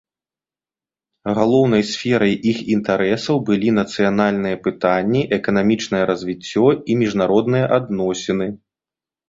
Галоўнай сферай іх інтарэсаў былі нацыянальныя пытанні, эканамічнае развіццё і міжнародныя адносіны.